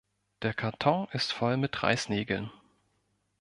Der Karton ist voll mit Reißnägeln.